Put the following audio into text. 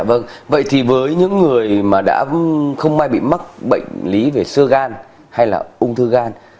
vâng vậy thì với những người mà đã không may bị mắc bệnh lý về sơ gan hay là ung thư gan